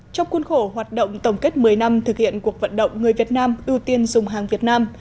trong cuốn khổ hoạt động tổng kết một mươi năm thực hiện cuộc vận động người việt nam ưu tiên dùng hàng việt nam